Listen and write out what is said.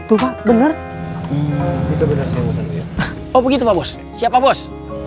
oh begitu pak bos siap pak bos